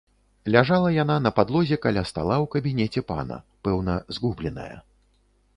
Ляжала яна на падлозе каля стала ў кабінеце пана, пэўна, згубленая.